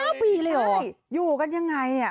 เฮ้ย๙ปีเลยเหรอใช่อยู่กันยังไงเนี่ย